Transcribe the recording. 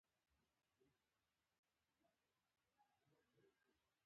تر موږ لاندې بیا د روغاني کلی وو.